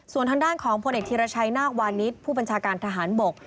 ส่วนทางด้านของพลเอกธีรชัยนาควานิสผู้บัญชาการทหารบก